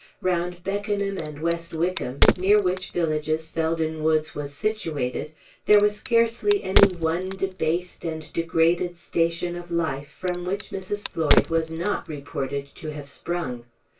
Round Beckenham and West Wickham, near which villages Felden Woods was situated, there was scarcely any one debased and degraded station of life from which Mrs. Floyd was not reported to have sprung.